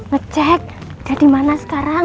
ngecek dia di mana sekarang